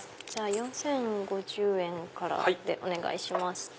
４０５０円からでお願いします。